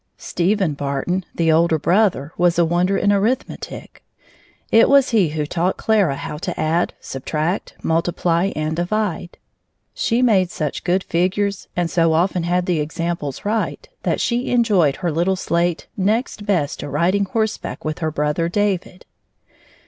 Stephen Barton, the older brother, was a wonder in arithmetic. It was he who taught Clara how to add, subtract, multiply, and divide. She made such good figures and so often had the examples right that she enjoyed her little slate next best to riding horseback with her brother David.